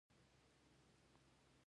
آیا کاناډا د هنر ګالري ګانې نلري؟